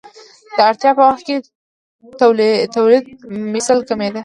د اړتیا په وخت کې تولیدمثل کمېده.